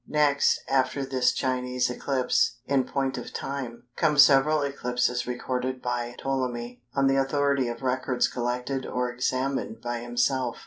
Next after this Chinese eclipse, in point of time, come several eclipses recorded by Ptolemy, on the authority of records collected or examined by himself.